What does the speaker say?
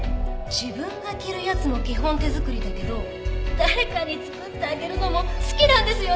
自分が着るやつも基本手作りだけど誰かに作ってあげるのも好きなんですよね！